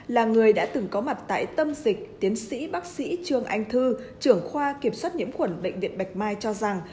là người đã từng có mặt tại tâm dịch tiến sĩ bác sĩ trương anh thư trưởng khoa kiểm soát nhiễm khuẩn bệnh viện bạch mai cho rằng